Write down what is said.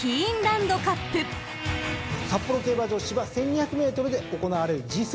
札幌競馬場芝１，２００ｍで行われるＧⅢの一戦です。